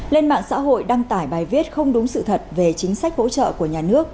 lên mạng xã hội đăng tải bài viết không đúng sự thật về chính sách hỗ trợ của nhà nước